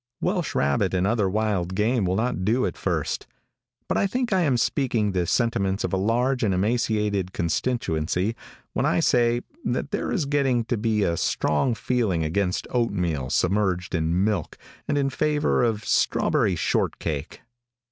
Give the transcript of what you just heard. Welsh rabbit and other wild game will not do at first. But I think I am speaking the sentiments of a large and emaciated constituency when I say, that there is getting to be a strong feeling against oat meal submerged in milk and in favor of strawberry short cake.